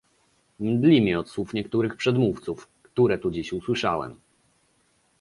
Mdli mnie od słów niektórych przedmówców, które tu dziś usłyszałem